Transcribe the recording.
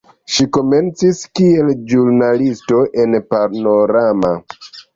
Ŝi komencis kiel ĵurnalistino en "Panorama".